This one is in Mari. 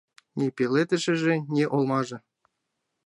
Ни пеледышыже, ни олмаже.